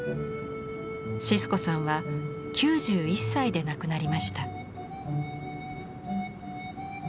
シスコさんは９１歳で亡くなりました。